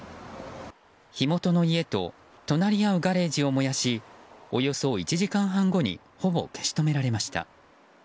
火元の家と隣り合うガレージを燃やしおよそ１時間半後にほぼ消し止められました。